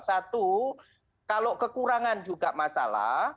satu kalau kekurangan juga masalah